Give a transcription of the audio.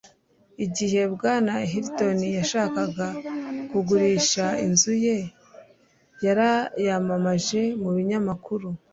igihe bwana hilton yashakaga kugurisha inzu ye, yarayamamaje mu kinyamakuru